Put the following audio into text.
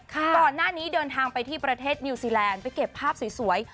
ก่อนหน้านี้เดินทางไปที่ประเทศนิวซีแลนด์ไปเก็บภาพสวย